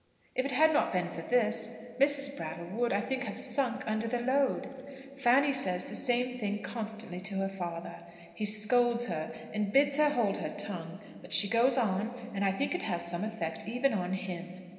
If it had not been for this, Mrs. Brattle would, I think, have sunk under the load. Fanny says the same thing constantly to her father. He scolds her, and bids her hold her tongue; but she goes on, and I think it has some effect even on him.